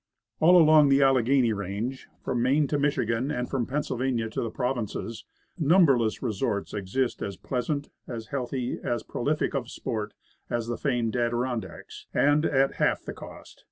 All along the Alleghany range, from Maine to Mich igan, and from Pennsylvania to the Provinces, num berless resorts exist as pleasant, as healthy, as prolific of sport, as the famed Adirondacks, and at half the cost.